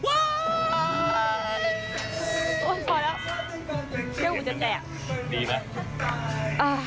พอแล้วเรื่องกูจะแจ่ดีนะ